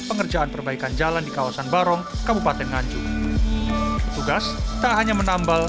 pengerjaan perbaikan jalan di kawasan barong kabupaten nganjuk petugas tak hanya menambal